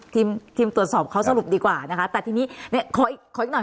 ทีมทีมตรวจสอบเขาสรุปดีกว่านะคะแต่ทีนี้เนี่ยขออีกขออีกหน่อย